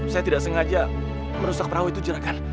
saya tidak sengaja merusak perahu itu jerakan